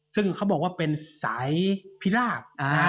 ซึ่งเขาบอกว่าเป็นสายพิราบ